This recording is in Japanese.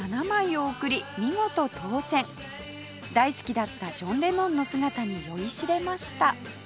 大好きだったジョン・レノンの姿に酔いしれました